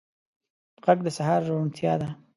غږ د سهار روڼتیا ده